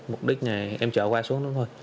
mục đích này em chở khoa xuống đó thôi